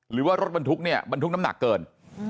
หรือว่ารถบรรทุกเนี่ยบรรทุกน้ำหนักเกิน